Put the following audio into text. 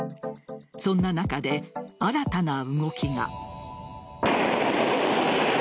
そんな中で新たな動きが。